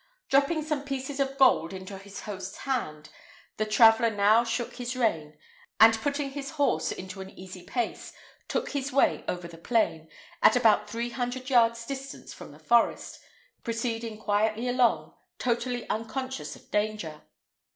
Dropping some pieces of gold into his host's hand, the traveller now shook his rein; and, putting his horse into an easy pace, took his way over the plain, at about three hundred yards' distance from the forest, proceeding quietly along, totally unconscious of danger.